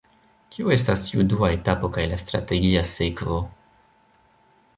Kio estas tiu dua etapo kaj la strategia sekvo?